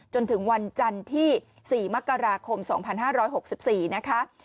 จนถึงวันจันทร์ที่๔มกราคม๒๕๖๔นะคะ